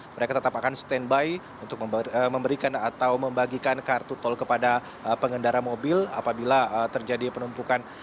mereka tetap akan standby untuk memberikan atau membagikan kartu tol kepada pengendara mobil apabila terjadi penumpukan